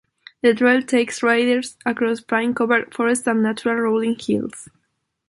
The trail takes riders across pine covered forest and natural rolling hills.